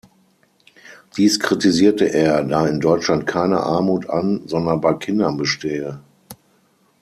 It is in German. Dies kritisiere er, da in Deutschland keine Armut an, sondern bei Kindern bestehe.